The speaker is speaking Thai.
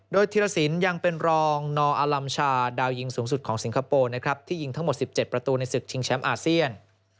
โดยธิรสินยังเป็นรองนอลัมชาดาวยิงสูงสุดของสิงคโปร์นะครับที่ยิงทั้งหมด๑๗ประตูในศึกชิงแชมป์อาเซียน